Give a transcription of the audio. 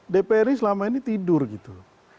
dpr ini selama ini tidur gitu